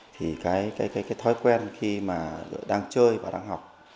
thì cái thói quen khi mà đang chơi và đang học